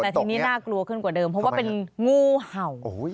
แต่ทีนี้น่ากลัวขึ้นกว่าเดิมเพราะว่าเป็นงูเห่า